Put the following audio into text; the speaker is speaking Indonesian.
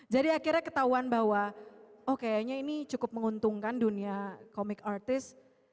jadi akhirnya ketahuan bahwa oh kayaknya ini cukup menguntungkan dunia komik artis